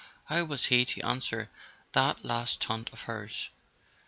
How was he to answer that last taunt of hers?